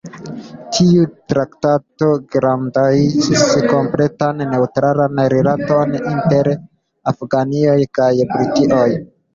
Tiu traktato garantiis kompletan neŭtralan rilaton inter Afganio kaj Britio.